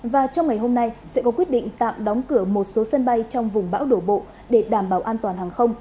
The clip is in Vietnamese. và trong ngày hôm nay sẽ có quyết định tạm đóng cửa một số sân bay trong vùng bão đổ bộ để đảm bảo an toàn hàng không